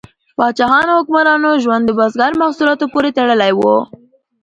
د پاچاهانو او حکمرانانو ژوند د بزګرو محصولاتو پورې تړلی و.